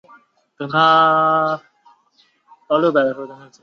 县治多尔顿。